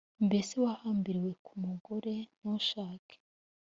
mbese wahambiriwe ku mugore ntushake